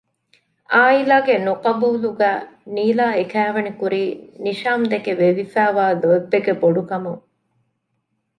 އާއިލާގެ ނުޤަބޫލުގައި ނީލާ އެ ކައިވެނި ކުރީ ނިޝާމްދެކެ ވެވިފައިވާ ލޯތްބެއްގެ ބޮޑުކަމުން